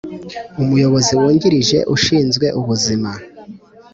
Umuyobozi wungirije ushizwe ubuzima